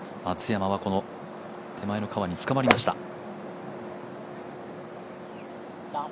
松山はこの手前の川につかまりました。